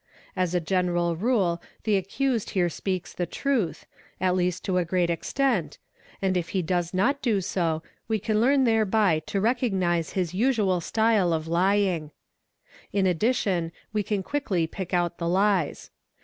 As a general rule "the accused here speaks the truth, at least to a great extent, and if he does not do so, we can learn thereby to recognise his usual style of lying, i cL addition, we can quickly pick out the lies.